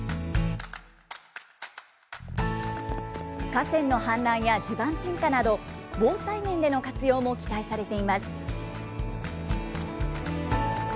河川の氾濫や地盤沈下など、防災面での活用も期待されています。